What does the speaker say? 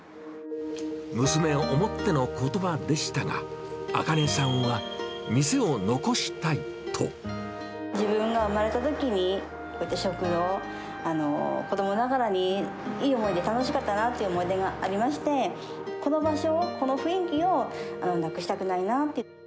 娘を思ってのことばでしたが、自分が生まれたときに、こういった食堂、子どもながらにいい思い出、楽しかったなっていう思い出がありまして、この場所を、この雰囲気をなくしたくないなって。